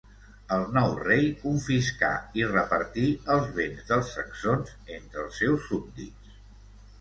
El nou rei confiscà i repartí els béns dels saxons entre els seus súbdits.